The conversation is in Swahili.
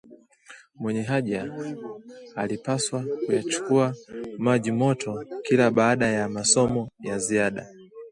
Mwenye haja alipaswa kuyachukua maji moto kila baada ya masomo ya ziada